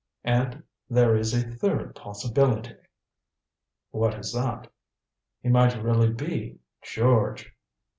And there is a third possibility." "What is that?" "He might really be George."